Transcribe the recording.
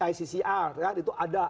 iccr itu ada